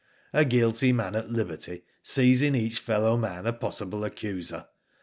A guilty man at liberty sees in each fellow man a possible accuser.